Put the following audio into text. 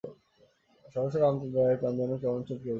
সহসা রামচন্দ্র রায়ের প্রাণ যেন কেমন চমকিয়া উঠিল।